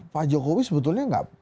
pak jokowi sebetulnya enggak